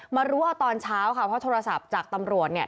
มารู้เอาตอนเช้าค่ะเพราะโทรศัพท์จากตำรวจเนี่ย